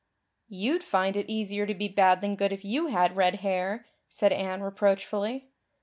"You'd find it easier to be bad than good if you had red hair," said Anne reproachfully.